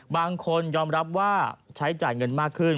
บางคนยอมรับว่าใช้จ่ายเงินมากขึ้น